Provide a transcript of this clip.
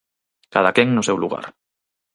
Cadaquén no seu lugar.